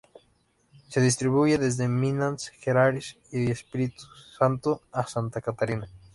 Se distribuye desde Minas Gerais y Espírito Santo a Santa Catarina.